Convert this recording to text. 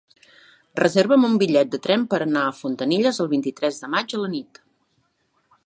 Reserva'm un bitllet de tren per anar a Fontanilles el vint-i-tres de maig a la nit.